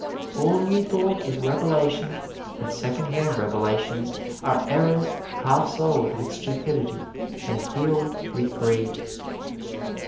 All New Thought is revelation, and secondhand revelations are errors half soled with stupidity and heeled with greed.